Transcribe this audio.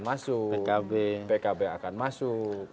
masuk pkb pkb akan masuk